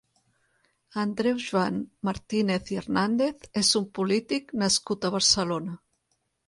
Andreu Joan Martínez i Hernández és un polític nascut a Barcelona.